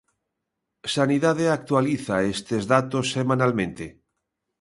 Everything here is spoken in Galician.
Sanidade actualiza estes datos semanalmente.